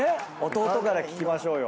弟から聞きましょうよ。